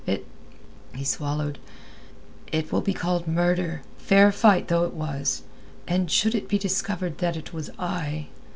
It...." he swallowed, "it will be called murder, fair fight though it was; and should it be discovered that it was I...."